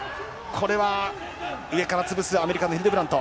これは上から潰すアメリカのヒルデブラント。